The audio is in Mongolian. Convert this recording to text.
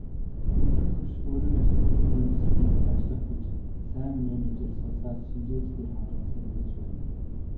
Өмнөд хөрш өөрийгөө чадварлаг мэргэшсэн ажиллах хүч, сайн менежер, судлаач, шинжээчдээр хангаж цэнэглэж байна.